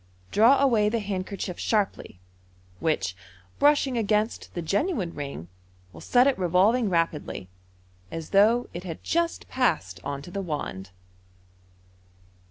" draw away the handkerchief sharply, which, brushing against the genuine ring, will set it revolving rapidly, as though it had just passed on to the wand.